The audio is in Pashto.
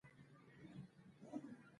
حاکم د وړتیا، تقوا او پوهې له مخې ټاکل کیږي.